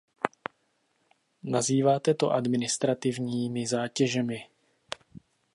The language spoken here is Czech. Nazýváte to administrativními zátěžemi.